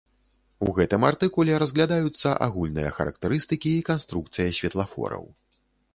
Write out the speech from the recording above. У гэтым артыкуле разглядаюцца агульныя характарыстыкі і канструкцыя святлафораў.